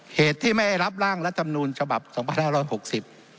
เหตุที่ไม่รับร่างรัฐมนูลฉบับสองพันห้าร้อยหกสิบ